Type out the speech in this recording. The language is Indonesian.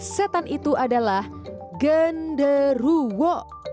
setan itu adalah genderuwo